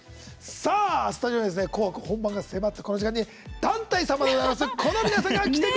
スタジオには「紅白」本番が迫ったこの時間に団体様でございます。